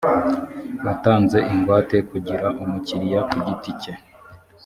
wantanze ingwate kugira umukiriya ku giti cye